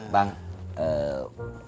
bangku rusak nih